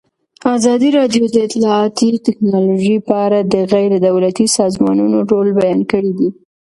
ازادي راډیو د اطلاعاتی تکنالوژي په اړه د غیر دولتي سازمانونو رول بیان کړی.